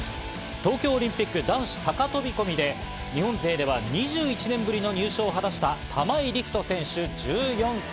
東京オリンピック男子高飛び込みで日本勢では２１年ぶりの入賞を果たした、玉井陸斗選手、１４歳。